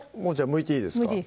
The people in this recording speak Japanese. むいていいです